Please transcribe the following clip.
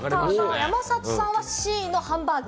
山里さんはＣのハンバーグ。